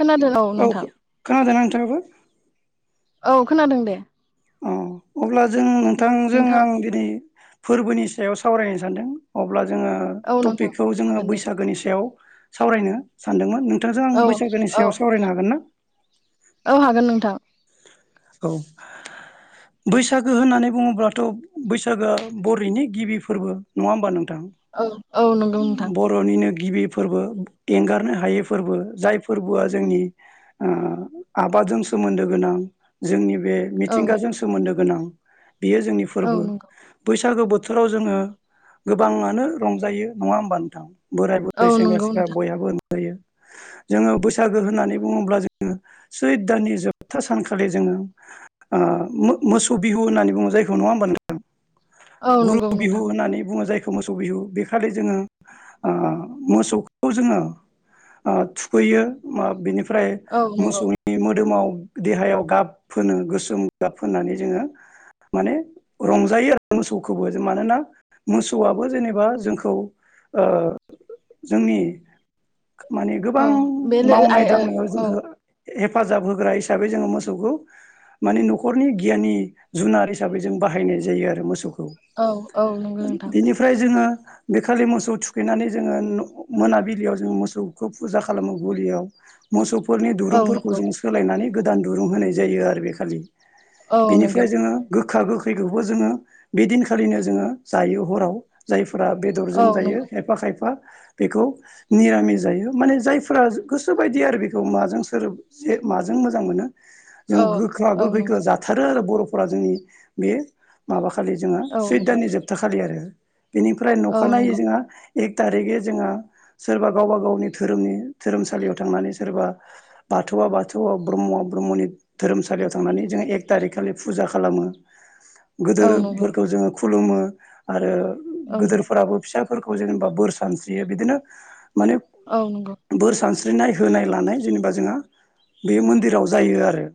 खोनादों औ नोंथां। दाबो औ खोनादों दे। अ अब्ला। जों नोंथांजों नोंथां आं दिनै फोरबोनि सायाव सावरायनो सानदों अब्ला जोङो औ नोंथां टपिकखौ जोङो हागोन दे बैसागोनि सायाव सावरायनो सानदोंमोन नों औ औ औ हागोन नोंथां। औ बैसागो होननानै बुङोब्लाथ' बैसागोआ बर'नि गिबि फोरबो नङा होमबा नों औ औ नंगौ नोंथां। गिबि फोरबो एंगारनो हायै फोरबो जाय फोरबोआ जोंनि आ आबादजों सोमोन्दो गोनां जोंनि बे औ मिथिंगाजों सोमोन्दो गोनां। बेयो जोंनि औ फोरबो बैस नंगौ बैसागो बोथोराव जोंङो गोबांङानो रंजायो नंङा होमबा नोंथां? बोराय, औ बुरै, सेंग्रा, नंगौ सिख्ला नोंथां बयहाबो जोंङो बैसागो होननानै बुंङोब्ला जोंङो सैद दाननि जो जोबथा सानखालि जोंङो मोसौ बिहु होननानै बुंङो जायखौ नंङा होमबा नोंथां? औ गुरु नंगौ बिहु नोंथां होननानै बुंङो जाय मोसौ बिहु बे खालि जोंङो मोसौखौ जोंङो थुखैयो फ्राय औ नंगौ मोसौनि मोदोमाव देहायाव गाब फोनो गोसोम गाब फुननानै जों रं जायो मोसौखौ बो मानोना मोसौ आबो जेनेबा जोंखौ ओ जोंनि माने औ गोबां बे लो आइ मावनाय दांनायाव ओ औ जोंखौ हेफाजाब होग्रा हि हिसाबै जोंङो मोसौखौ माने न'खरनि गियाननि जुनार हिसाबै जों बाहायनाय जायो आरो मोसौखौ। औ बेनिफ्राय जोंङो बेखालि मोसौ थुखैनानै जोंङो न' मोनाबिलियाव जोंङो मोसौखौ फुजा खालामो गलियाव मोसौ फोरनि औ दुरुंफोरखौ नंगौ जों सोलायनानै गोदान दुरुं होनाय जायो आरो बे खालि। औ नंगौ बेनिफ्राय जोंङो गो खा गोखैखौबो जों बे दिनखालिनो जों हराव फोरा औ बेदरजों जायो नंगौ खायफा खायफा बेखौ निरामि जायो माने जायफ्रा गोसो बायदि आरो बेखौ माजों सोर जे माजों जां मोनो जों औ गोखा औ गोखैखौ नंगौ जाथारो बर' फोरा जोंनि बे माबा खालि जोंङो औ सोद नंगौ दाननि जोबथा खालि आरो। [unintelligible] बेनिफ्राय औ नखानायै नंगौ जोंङो एक थारिगै जोंहा सोरबा गावबा गावनि धोरोमनि धोरोमसालियाव थांनानै सोरबा बाथौआ बाथौआव ब्रह्म ब्रह्मनि धोरोमसालियाव थांनानै जोंङो एक थारिक खालि फुजा खालामो। औ नंगौ गोदोरफोरखौ जोंङो खु खुलुमो आरो। औ नंगौ गोदोरफोराबो फिसा फोरखौ जेनेबा बोर सानस्रियो बिदिनो माने औ नंगौ बोर सानस्रि नाय होनाय लानाय जेनेबा जोंहा बे मन्दिराव जायो आरो।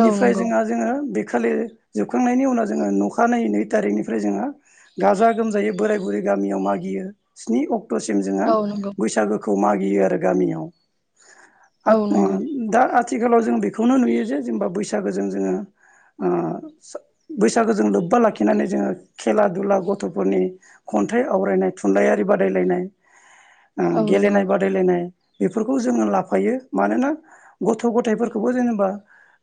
औ नंगौ औ नंगौ जोंहा जोंङो बे खालि जोबखांनायनि उनाव जोङो नखानायै नै थारिखनिफ्राय जोङो गाजा गोमजायै बोराय बुरै गामियाव मागियो स्नि अक्ट टसिम जोङा औ नंगौ बैसागुखौ खौ मागियो आरो गामियाव औ नंगौ दा आथिखालाव जों बेखौनो नुयो जे जेनेबा बैसागोजों जोङो ओ बैसागोजों लोब्बा लाखिनानै जोङो खेला दुला गथ'फोरनि खन्थाइ आवरायनाय थुनलाइयारि बादायलायनाय ओ औ नंगौ गेलेनाय बादायलायनाय बेफोरखौ जोङो लाफायो मानोना गथ' गथायाइफोरखौबो जेनेबा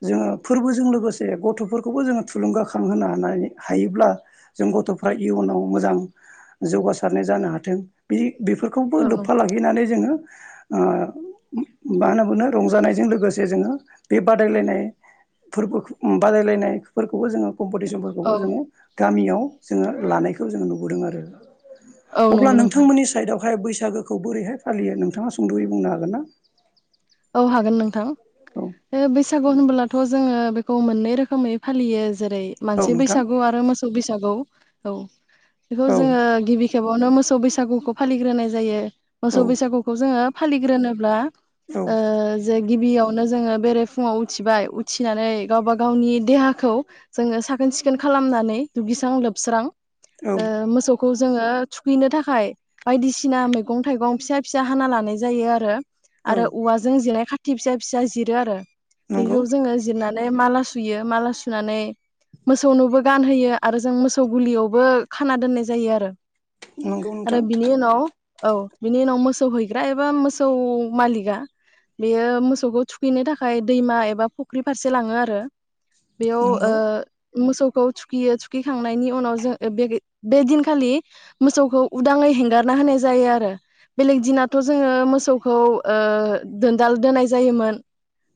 जोङो फोरबोजों लोगोसे गथ'फोरखौबो जोङो थुलुंगाखां होनोनो हानाय हायोब्ला जों गथ'फ्रा इयुनाव मोजां जौगासारनाय जानो हाथों बि बेफोरखौबो लोब्फा लाखिनानै जोङो ओ माहोना बुंदों रंजानायजों लोगोसे जोङो बे बादायलायनाय फोरबो बादायलायनायफोरखौबो जोङो कम्पिटिसनफोरखौबो औ जोङो गामियाव जोङो लानायखौ जोङो नुबोदों आरो औ अब्ला नंगौ नोंथां नोंथांमोननि साइदआवहाय बैसो बैसागोखौ बोरैहाय फालियो नोंथाङा सुंद'यै बुंनो हागोन ना? औ हागोन नोंथां औ बे बैसागु होनबोलाथ' जोङो बेखौ मोननै रोखोमै फालियो जेरै औ मानसि नोंथां बैसागु आरो मोसौ बै नंगौ औ बेखौ औ जोङो गिबि खेबावनो मोसौ बैसागुखौ फालिग्रोनाय जायो औ मोसौ बैसागुखौ जोङो फालिग्रोनोब्ला ओ जे गिबियावनो जोङो बेरे फुङाव उथिबाय उथिनानै गावबा गावनि देहाखौ जोङो साखोन सिखोन खालामनानै दुगैस्रां लोबस्रां औ ओ मोसौ खौ जोङो थुखैनो थाखाय बायदिसिना मैगं थाइगं फिसा फिसा हाना लानाय जायो आरो औ फुजिनाय खाथि फिसा फिसा जिरो आरो नंगौ बेखौ जोङो जिरनानै ने माला सुयो माला सुनानै मोसौनोबो गानहोयो आरो जों मोसौ गुलियावबो खाना दोननाय जायो आरो नंगौ आरो नोंथां बिनि उनाव औ बिनि उनाव मोसौ हैग्रा एबा मोसौ मालिगा बेयो मोसौखौ थुखैनो थाखाय दैमा एबा फुख्रि फारसे लाङो आरो बेयाव ओ नंगौ मोसौखौ थुखियो थुखिखांनायनि उनाव जों बे बे दिनखालि मोसौखौ उदाङै हेंगारना होनाय जायो आरो बेलेग दिनाथ' जोङो मोसौखौ ओ दोनदाल दोनाय जायोमोन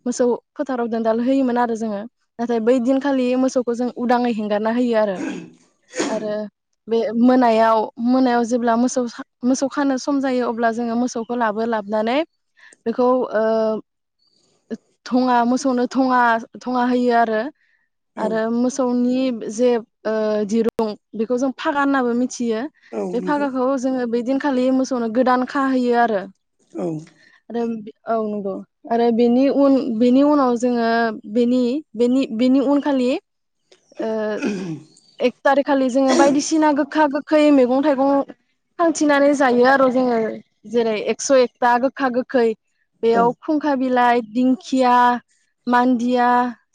मोसौ फोथाराव दोनदाल होयोमोन आरो जोङो नाथाय बै दिनखालि मोसौखौ जों उदाङै हेंगारना होयो आरो आरो बे मोनायाव मोनायाव जेब्ला मोसौ मोसौ खानो सम जायो अब्ला जोङो मोसौखौ लाबो लाबनानै बेखौ ओ थङा मोसौनो थङा थङा होयो आरो औ आरो मोसौनि जे ओ दिरुं बेखौ जों फागा होननाबो मि मिथियो औ बे नंगौ फागाखौ जोङो बेदिन खालि मोसौनो गोदान खाहैयो आरो औ आरो बे औ नंगौ आरो बेनि उन बेनि उनाव जोङो बिनि बेनि बिनि उनखालि ओ एक थारिख खालि जोङो बायदिसिना गोखा गोखै मैगं थाइगं खान्थिंनानै जायो आरो जोङो जेरै एकस एकथा गोखा गोखै औ बेयाव खुंखा बिलाइ दिंखिया मान्दिया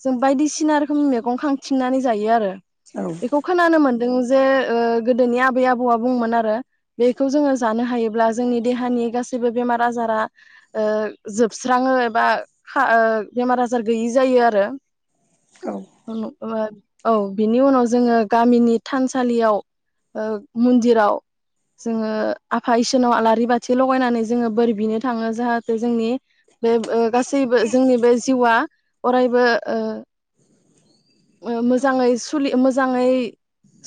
जों बायदिसिना रोखोम मैगं खांथिंनानै जायो आरो औ बेखौ खोनानो मोन दों जे ओ गोदोनि आबै आबौआ बुंमोन आरो बेखौ जोङो जानो हायोब्ला जोंनि देहानि गासैबो बेमार आजारा ओ जोबस्राङो एबा खा ओ बेमार आजार गैयि जायो आरो औ [unintelligible] औ बिनि उनाव जोङो गामिनि थानसालियाव ओ मन्दिराव जोङो आफा इसोनाव आलारि बाथि लगायनानै जोङो बोर बिनो थाङो जाहाथे जोंनि बे ओ गासैबो जोंनि बे जिउआ अरायबो ओ मो मोजाङै सु सोलि मोजाङै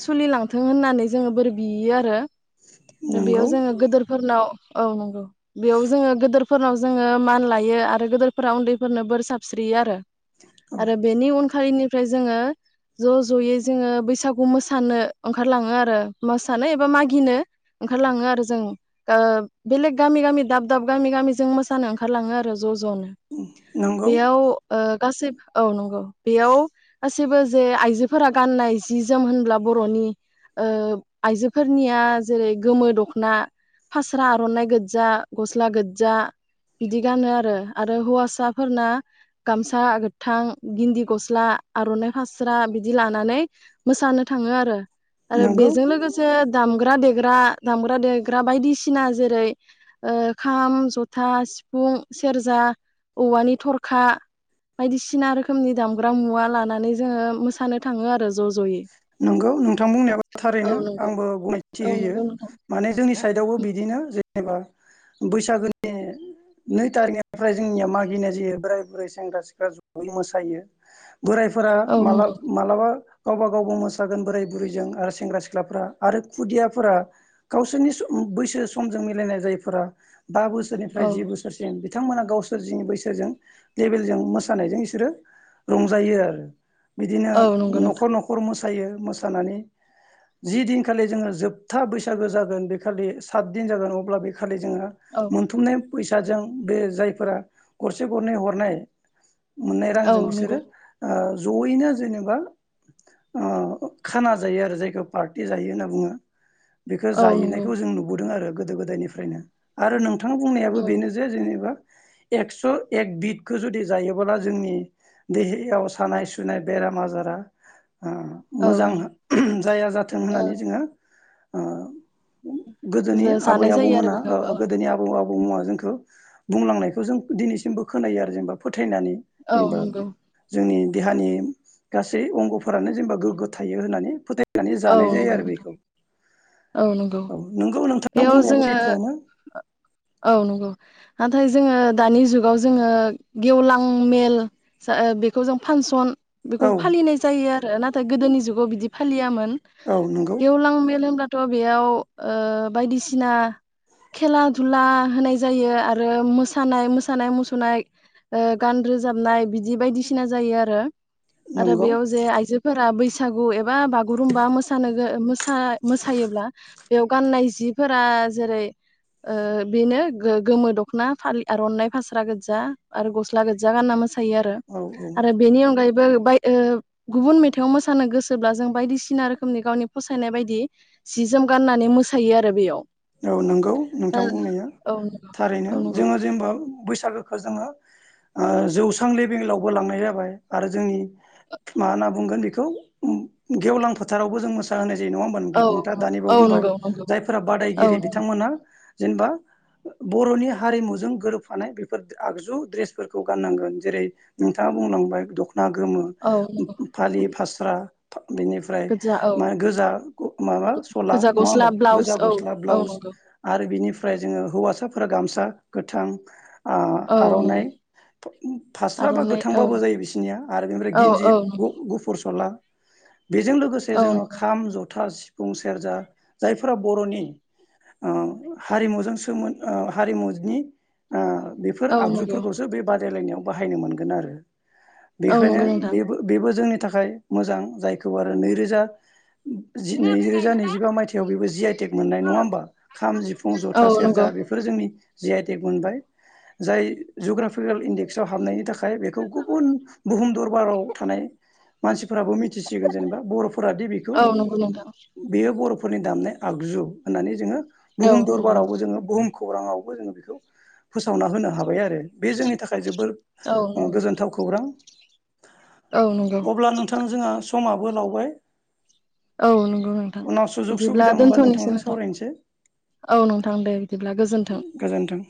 सोलिलांथों होननानै जोङो बोर बियो आरो आरो बेयाव नंगौ जोङो गोदोरफोरनाव औ नंगौ बेयाव जोङो गोदोरफोरनाव जोङो मान लायो आरो गोदोरफोरा उन्दैफोरनो बोर सारस्रियो आरो औ आरो बेनि उनखालिनि निफ्राय जोङो ज'ज' जयै जोङो बैसागु मोसानो ओंखारलाङो आरो मोसानो एबा मागिनो ओंखारलाङो आरो जों ओ बेलेग गामि गामि दाब दाब गामि गामि जों मोसानो ओंखारलाङो आरो ज' ज' नो नंगौ बेयाव ओ गासै औ नंगौ बेयाव गास गासिबो जे आइजो फोरा गाननाय जि जोम होनब्ला बरनि ओ आइजोफोरनिया जेरै गोमो दखना फास्रा आरनाइ गोजा गस्ला गोजा बिदि गानो आरो आरो हौवासाफोरना गामसा गोथां गिन्दि गस्ला आरनाइ फास्रा बिदि बिदि लानानै मोसानो थाङो आरो आरो नंगौ बेजों लोगोसे दाम दामग्रा देग्रा दामग्रा देग्रा बायदिसिना जेरै ओ खाम, जथा, सिफुं, सेरजा औवानि थरखा बायदिसिना रोखोमनि दामग्रा मुवा लानानै जोङो मोसानो थाङो आरो ज' ज'यै नंगौ नोंथां बुंनायाबो औ थारैनो नंगौ आंबो गनायथि औ होयो नंगौ नोंथां माने जोंनि साइडआवबो बिदिनो जे। जेनेबा बैसागोनि नै थारिखनिफ्राय जोंनिया मागिनाय जायो बोराय बुरै सेंग्रा सिख्ला जयै मोसायो। बोरायफोरा औ माला नंगौ मालाबा। गावबा गावबो मोसागोन बोराय बुरैजों आरो सेंग्रा सिख्लाफोरा आरो खुदियाफोरा गावसोरनि सम बैसो समजों मिलायनाय जायफोरा। बा बोसोरनिफ्राय औ जि बोसोरसिम बि। थांमोना गावसोर जिनि बैसोजों लेबेलजों मोसानायजों इसोरो रंजायो आरो। बिदिनो औ नंगौ न'ख नोंथां नखर मोसायो मोसानानै जि दिनखालि जोङो जोबथा बैसागो जागोन बेखालि सात दिन जागोन अब्ला। खालि जोङो औ मोनथुमनाय [inaudible] साजों बे जायफोरा गरसे गरनै हरनाय। मोननाय औ रांजों नंगौ बिसोरो। जयैनो जेनेबा। खाना जायो आरो जायखौ पार्टि जायो होनना बुङो। बेखो औ नंगौ जायैनायखौ जों नुबोदों आरो। गोदो गोदायनिफ्रायनो आरो नों। थां बुंनायाबो औ बेनो जे जेनेबा। एक्स' एक बिदखो जुदि जायोबोला जोंनि देहेयाव सानाय सुनाय बेराम आजारा। औ मोजां जाया जाथों होननानै जोङो। [inaudible] गोदोनि आबै जानाय जायो आरो आबौमोना बेखौ औ गोदोनि आबौ आ अमाजोंखो बुंलांनायखौ जों दिनैसिमबो खोनायो आरो जेनेबा। थैनानै औ जेनेबा नंगौ जोंनि। देहानि गा अंगफोरानो जेनेबा गोगो थायो होननानै फोथाय। नानै औ जानाय जायो नंगौ आरो बेखौ। औ नोंगौ नोंगौ नोंथां बेयाव बुंनायाबो जोङो सैथोआनो औ नोंगौ। नाथाय जोङो दानि जुगाव जोङो गेवलां मेल बेखौ जों फांसन। बेखौ औ फालिनाय जायो आरो नाथाय गोदोनि जुगाव बिदि। फालियामोन। औ नंगौ गेवलां मेल होमब्ला। थ' बेयाव ओ बायदिसिना खेला धुला होनाय जायो आरो मोसानाय मोसानाय मुसुरनाय ओ गान रोजाबनाय बिदि बायदिसिना जायो आरो। आरो नंगौ बेयाव जे आइजोफोरा बैस थागौ एब बा बागुरुमबा मोसानो गो मोसा मोस बेयाव गाननाय जिफोरा जेरै बेनो गो गोमो दख'ना फालि आरनाइ फास्रा गोदजा आरो गस्ला गोदजा गानना मोसा थायो आरो औ आरो औ बेनि अनगायै बो बाय गुबुन मेथाइआव मोसानो गोसोब्ला जों बायदिसिना रोखोमनि गावनि फसायनाय बायदि। सि जोम गाननानै मोसायो आरो बेयाव। औ नोंगौ नोंथां बुंनाया ओ थारैनो औ नंगौ जोङो जेनेबा बैसागोखौ जोङो। जौस्रां लेबेलावबो लांनाय जाबाय आरो जोंनि मा होनना बुंगोन बेखौ गेवलां फोथारावबो जों मोसाहोनाय जा - नङ औ नंगौ नोंथाङा दानि औ बेयाव बुंबाय नंगौ नंगौ जायफोरा बादाय औ गिरि नंगौ बिथांमोना जेनेबा बर'नि हारिमुजों गोरोबफानाय बेफोर आगजु द्रेसफोरखौ गाननांगोन जेरै नोंथाङा बुंलांबाय दख'ना ना गोमो औ नंगौ फालि फास्रा बेनिफ्राय गोजा औ मा गोजा माबा सला गोजा नङा गस्ला होमबा ब्लाउस गोजा औ गस्ला औ ब्लाउस नंगौ आरो आरो बिनिफ्राय जोङो हौवासाफोरा गामसा गोथां औ नंगौ आ-आर'नाइ फास्राबा आर'नाइ औ गोथांबाबो जायो बिसनिया आरो बेनिफ्राय औ गिन्जि औ नंगौ गुफुर सला बेजों लोगोसे औ जोङो नंगौ खाम जथा सिफुं सेरजा जायफोरा बर'नि हारिमुजों सोमोनद हारिमुनि ओ बेफोर औ नंगौ आगजुफोरखौसो बे बा रादायलायनायाव बाहायनो मोनगोन आरो। औ बेखायनो नंगौ नोंथां बेबो बेबो जोंनि नि थाखाय मोजां जायखौ आरो नैरोजा जि नैरोजा नैजिबा मायथाइयाव बेबो जि आइ टेक नाय नंङा होनबा खाम जिफुं औ जथा नंगौ सेरजा बेफोरो जोंनि जि आइ टेट मोनबाय जाय जग्राफिकेल इडेक्सआव हाबनायनि थाखाय बेखौ गुबुन बुहुम दरबाराव थानाय मा फोराबो मिथिसिगोन जेनेबा बर'फोरााद बेखौ औ नंगौ नोंथां बेयो बर' फोरनि दामनाय आगजु होननानै जोङो औ बुहुम नंगौ दरबारावबो जोङो बुहुम खौराङावबो जोङो बेखौ फोसावना होनो हाबाय आरो बे जोंनि थाखाय जोबोर औ नंगौ गोजोनथाव खौरां। औ नंगौ अब्ला नोंथां जोंहा समा बो लावबाय औ नंगौ नोंथां उनाव सुजुग बिदिब्ला सुबिदा मोनबा दोनथ'नोसो नोंथांजों ना सावरायनोसै औ नोंथां दे बिदिब्ला गोजोन्थो गोजोन्थों।